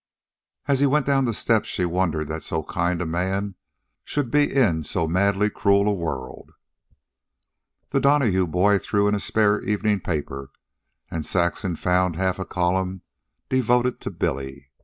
And as he went down the steps she wondered that so kind a man should be in so madly cruel a world. The Donahue boy threw in a spare evening paper, and Saxon found half a column devoted to Billy.